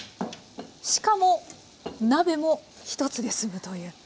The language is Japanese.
しかも鍋も１つですむという。